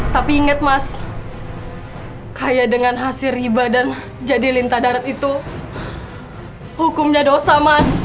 tapi inget mas kaya dengan hasil riba dan jadi lintah darat itu hukumnya dosa mas